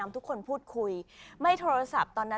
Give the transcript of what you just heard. ไม่ให้ทดสอบ